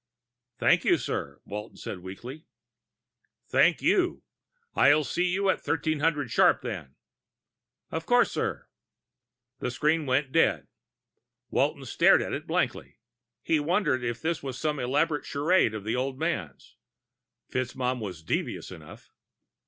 "Thank you, sir," Walton said weakly. "Thank you. See you at 1300 sharp, then?" "Of course, sir." The screen went dead. Walton stared at it blankly. He wondered if this were some elaborate charade of the old man's; FitzMaugham was devious enough.